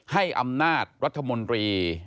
ให้อำนาจรัฐมนตรี